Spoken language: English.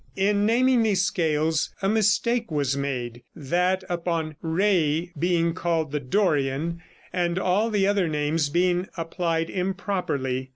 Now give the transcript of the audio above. In naming these scales a mistake was made, that upon re being called the Dorian, and all the other names being applied improperly.